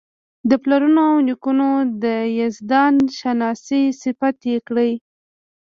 د پلرونو او نیکونو د یزدان شناسۍ صفت یې کړی.